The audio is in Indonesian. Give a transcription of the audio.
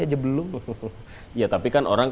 aja belum ya tapi kan orang